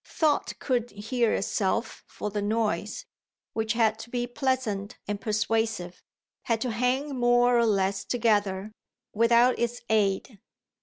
Thought couldn't hear itself for the noise, which had to be pleasant and persuasive, had to hang more or less together, without its aid.